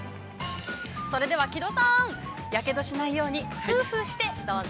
◆それでは、木戸さんやけどしないようにフーフーしてどうぞ。